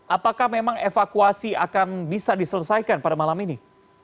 apakah memang evakuasi akan bisa diselesaikan pada malam ini